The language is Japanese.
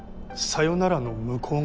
さよならの向う。